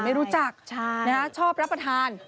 ไม่รู้จักชอบรับประทาน